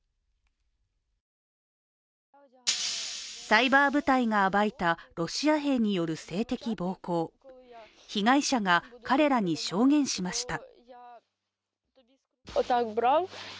サイバー部隊が暴いたロシア兵による性的暴行被害者が彼らに証言しました。